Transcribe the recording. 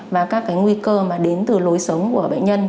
và các nguy cơ đến từ lối sống của bệnh nhân